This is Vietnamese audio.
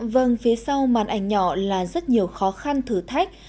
vâng phía sau màn ảnh nhỏ là rất nhiều khó khăn thử thách